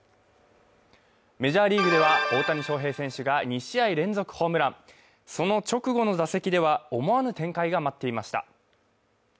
メジャーリーグでは、大谷翔平選手が２試合連続ホームラン、その直後の打席では思わぬ展開が待っていました。